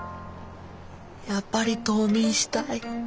やっぱり冬眠したい。